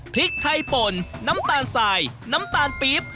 พริกไทยป่นน้ำตาลสายน้ำตาลปี๊บ